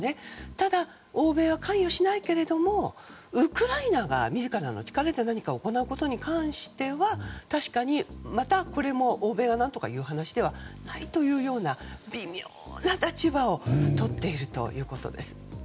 ただ、欧米は関与しないけれどもウクライナが自らの力で何かを行うことに関しては確かにまた、これも欧米が何とかいう話ではないというような微妙な立場をとっているということです。